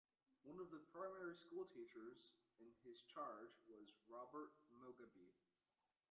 One of the primary-school teachers in his charge was Robert Mugabe.